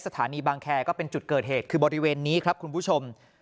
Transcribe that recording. สถานีบางแคร์ก็เป็นจุดเกิดเหตุคือบริเวณนี้ครับคุณผู้ชม